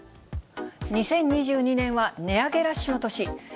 ２０２２年は値上げラッシュの年。